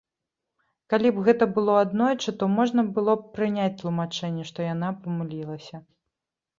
Калі б гэта было аднойчы, то можна было б прыняць тлумачэнне, што яна памыліліся.